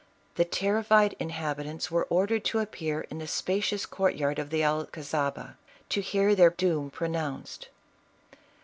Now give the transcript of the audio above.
The terrified inhabitants were ordered to appear in the spacious court yard of the Alcazaba, to hear their doom pronounced.